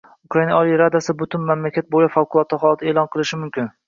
Ukraina Oliy Radasi butun mamlakat bo'ylab favqulodda holat e'lon qilishi mumkin